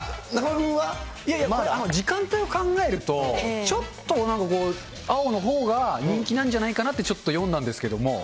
でもこれは、中丸君は。いやいや、時間帯を考えると、ちょっとなんかこう、青のほうが人気なんじゃないかなってちょっと読んだんですけども。